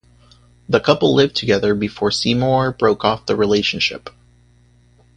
The couple lived together before Seymour broke off the relationship.